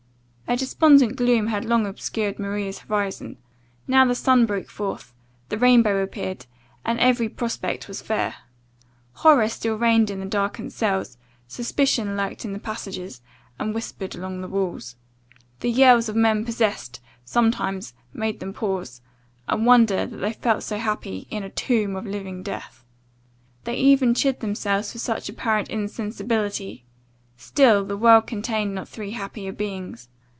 A despondent gloom had long obscured Maria's horizon now the sun broke forth, the rainbow appeared, and every prospect was fair. Horror still reigned in the darkened cells, suspicion lurked in the passages, and whispered along the walls. The yells of men possessed, sometimes, made them pause, and wonder that they felt so happy, in a tomb of living death. They even chid themselves for such apparent insensibility; still the world contained not three happier beings.